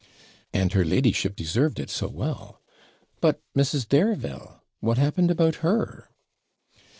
'And her ladyship deserved it so well. But Mrs. Dareville, what happened about her?'